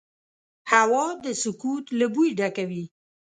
هوا د سکوت له بوی ډکه وي